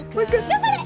頑張れ！